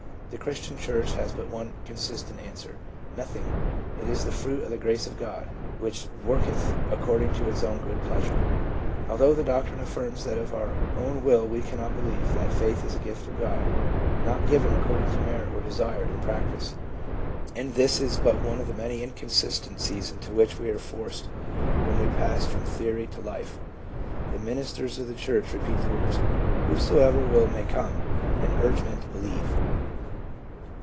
the Christian church has but one consistent answer : Nothing ; it is the fruit of the Grace of God, which worketh according to its own good pleasure. Although the doctrine affirms that of our own will we cannot believe, that faith is a gift of God, not given according to merit or desire, in practice — and this is but one of the many inconsistencies into which we are forced PSYCHOLOGY OF RELIGIOUS PHENOMENA. 365 when we pass from theory to life — the ministers of the church repeat the words, "Whosoever will may come," and urge men to " believe."